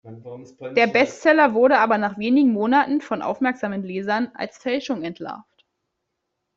Der Bestseller wurde aber nach wenigen Monaten von aufmerksamen Lesern als Fälschung entlarvt.